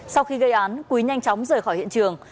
sau khi gây án quý nhanh chóng rời khỏi hiện trường